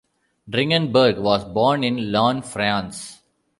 Dringenberg was born in Laon, France.